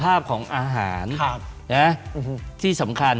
๔ภาพของอาหาร